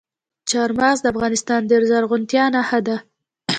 چار مغز د افغانستان د زرغونتیا نښه ده.